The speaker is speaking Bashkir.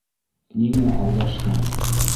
Ниңә алдаштың?